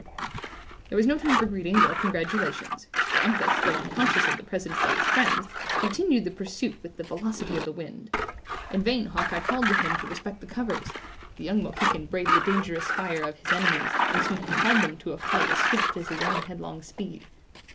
There was no time for greetings or congratulations; for Uncas, though unconscious of the presence of his friends, continued the pursuit with the velocity of the wind. In vain Hawkeye called to him to respect the covers; the young Mohican braved the dangerous fire of his enemies, and soon compelled them to a flight as swift as his own headlong speed.